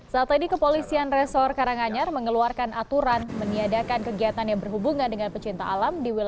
saat ini kepolisian resor karanganyar mengeluarkan aturan meniadakan kegiatan yang berhubungan dengan pecinta alam